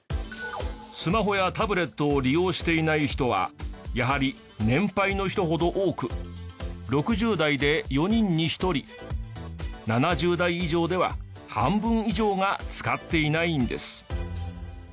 スマホやタブレットを利用していない人はやはり年配の人ほど多く６０代で４人に１人７０代以上では半分以上が使っていないんです。